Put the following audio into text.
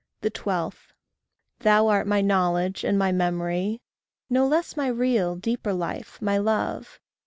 12. Thou art my knowledge and my memory, No less than my real, deeper life, my love.